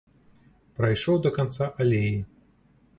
Прайшоў да канца алеі.